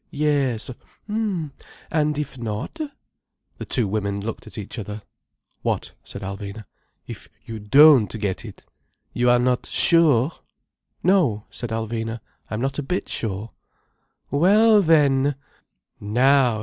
Yes! H'm! And if not?" The two women looked at each other. "What?" said Alvina. "If you don't get it—! You are not sure?" "No," said Alvina. "I am not a bit sure." "Well then—! Now!